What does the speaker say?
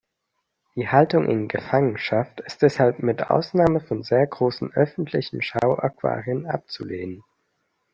Die Haltung in Gefangenschaft ist deshalb mit Ausnahme von sehr großen öffentlichen Schauaquarien abzulehnen.